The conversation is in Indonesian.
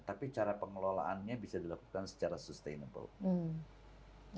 tapi cara pengelolaannya bisa dilakukan secara sustainable